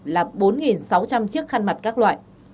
là bốn sáu trăm linh chiếc khăn mặt các loại